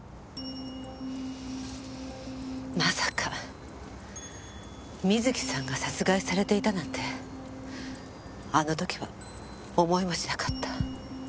まさか瑞希さんが殺害されていたなんてあの時は思いもしなかった。